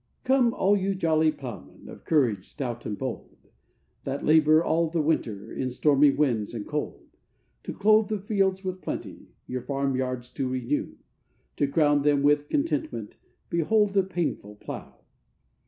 ] 'COME, all you jolly ploughmen, of courage stout and bold, That labour all the winter in stormy winds, and cold; To clothe the fields with plenty, your farm yards to renew, To crown them with contentment, behold the painful plough!